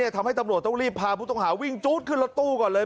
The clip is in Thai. ทำให้ตำรวจต้องรีบพาผู้ต้องหาวิ่งจู๊ดขึ้นรถตู้ก่อนเลย